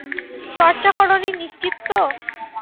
চর্চা করোনি নিশ্চিত তো?